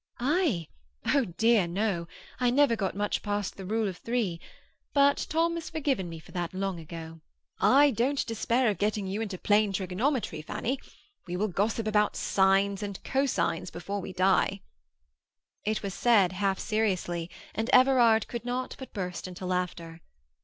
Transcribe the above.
"I? Oh dear, no! I never got much past the Rule of Three. But Tom has forgiven me that long ago." "I don't despair of getting you into plane trigonometry, Fanny. We will gossip about sines and co sines before we die." It was said half seriously, and Everard could not but burst into laughter.